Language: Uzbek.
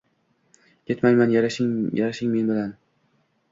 Ketmayman. Yarashing men bilan.